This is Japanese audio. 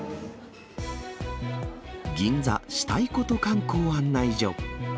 銀座したいこと観光案内所。